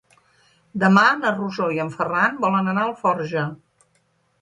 Demà na Rosó i en Ferran volen anar a Alforja.